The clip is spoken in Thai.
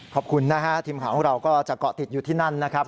ขอบคุณนะฮะทีมข่าวของเราก็จะเกาะติดอยู่ที่นั่นนะครับ